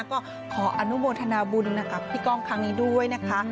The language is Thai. ก็ขออนุโมทนาบุญกับพี่ก้องครั้งนี้ด้วยนะคะ